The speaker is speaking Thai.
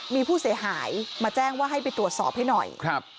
มีผู้เสียหายมาแจ้งว่าให้ไปตรวจสอบให้หน่อยครับ